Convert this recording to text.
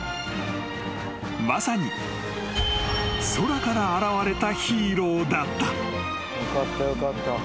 ［まさに空から現れたヒーローだった］